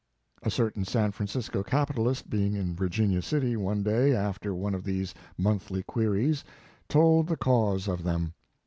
A certain San Francisco capitalist, being in Virginia City one day after one of these monthly queries, told the cause of them.